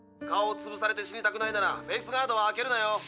顔をつぶされて死にたくないならフェイスガードは開けるなよ。